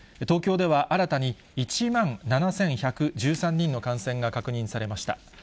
東京では新たに１万７１１３人の感染が確認されました。